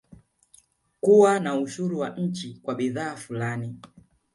Kuwa na ushuru wa chini kwa bidhaa fulani